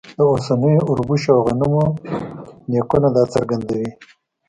د اوسنیو اوربشو او غنمو نیکونه دا څرګندوي.